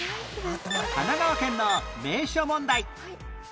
神奈川県の名所問題